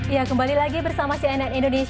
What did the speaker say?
ya kembali lagi bersama si nnn